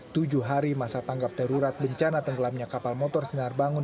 tujuh hari masa tanggap darurat bencana tenggelamnya kapal motor sinar bangun